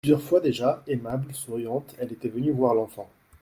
Plusieurs fois déjà, aimable, souriante, elle était venue voir l'enfant.